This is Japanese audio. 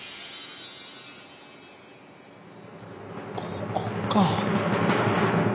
ここか！